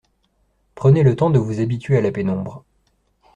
Prenez le temps de vous habituer à la pénombre.